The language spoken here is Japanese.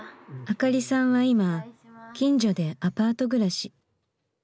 あかりさんは今近所でアパート暮らし。